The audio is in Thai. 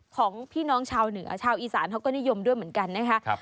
ของพี่น้องชาวเหนือชาวอีสานเขาก็นิยมด้วยเหมือนกันนะคะ